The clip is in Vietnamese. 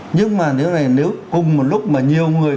nhưng mà nếu cùng một lúc mà nhiều người